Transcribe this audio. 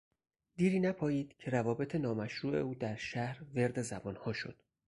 دیری نپایید که روابط نامشروع او در شهر ورد زبانها شد.